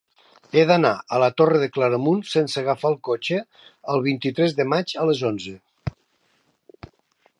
He d'anar a la Torre de Claramunt sense agafar el cotxe el vint-i-tres de maig a les onze.